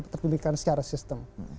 terpimpin secara sistem